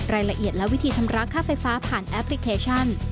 รายละเอียดและวิธีชำระค่าไฟฟ้าผ่านแอปพลิเคชัน